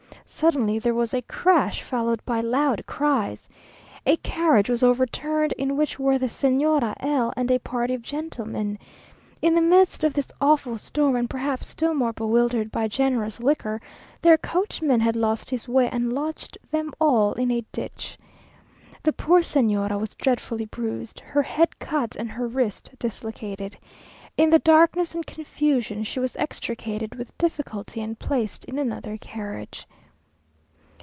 Suddenly there was a crash, followed by loud cries. A carriage was overturned, in which were the Señora L and a party of gentlemen. In the midst of this awful storm, and perhaps still more bewildered by generous liquor, their coachman had lost his way, and lodged them all in a ditch. The poor Señora was dreadfully bruised, her head cut, and her wrist dislocated. In the darkness and confusion she was extricated with difficulty, and placed in another carriage.